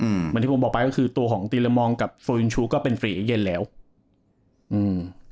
เหมือนที่ผมบอกไปก็คือตัวของตีละมองกับเฟอร์วินชูก็เป็นฟรีเย็นแล้วอืม